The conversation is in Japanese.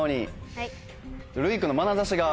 るうい君のまなざしが。